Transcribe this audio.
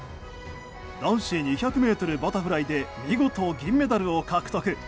男子２００ｍバタフライで見事銀メダルを獲得。